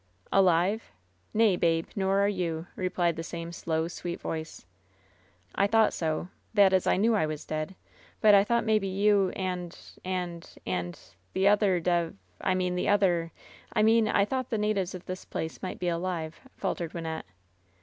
"Alive ? Nay, babe, nor are you," replied the same slow, sweet voice. "I thou/a;ht so; that is, I knew I was dead. But I thought maybe you and— and — and — ^the other dev — I mean the other — ^I mean I thought the natives of this place might be alive," faltered Wynnette.